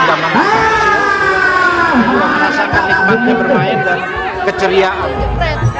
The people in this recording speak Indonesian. merasa ikmatnya bermain dan keceriaan